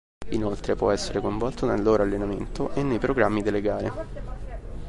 Inoltre, può essere coinvolto nel loro allenamento e nei programmi delle gare.